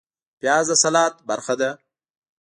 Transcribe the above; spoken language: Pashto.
پیاز د سلاد برخه ده